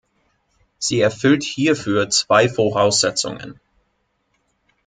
Sie erfüllt hierfür zwei Voraussetzungen.